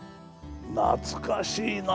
なつかしいな。